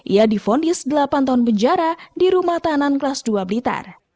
ia difonis delapan tahun penjara di rumah tahanan kelas dua blitar